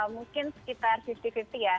mungkin sekitar lima puluh lima puluh ya